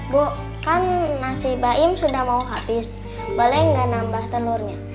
bu kan nasi baim sudah mau habis boleh nggak nambah telurnya